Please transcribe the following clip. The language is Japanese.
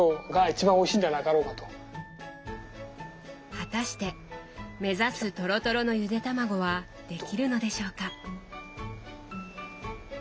果たして目指すトロトロのゆでたまごはできるのでしょうか。